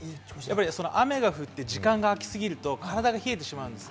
雨が降って時間があきすぎると、体が冷えてしまうんです。